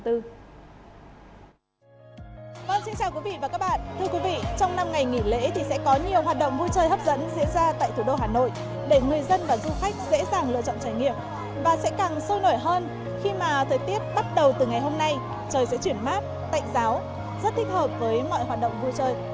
trời sẽ chuyển mát tạnh giáo rất thích hợp với mọi hoạt động vui chơi